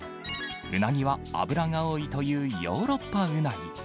うなぎは脂が多いというヨーロッパうなぎ。